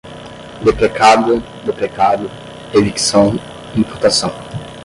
deprecada, deprecado, evicção, imputação